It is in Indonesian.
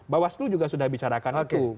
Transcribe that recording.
bawaslu juga sudah bicarakan itu